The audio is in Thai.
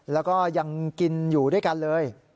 แล้วก็ยังกินอยู่ด้วยกันเลย